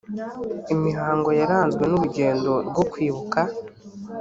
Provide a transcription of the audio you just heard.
imihango yaranzwe n urugendo rwo kwibuka